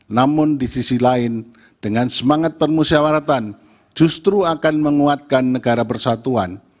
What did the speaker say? namun di sisi lain dengan semangat permusyawaratan justru akan menguatkan negara persatuan